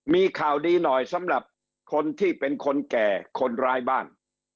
มีข่าวดีหน่อยสำหรับคนที่เป็นคนแก่คนร้ายบ้าน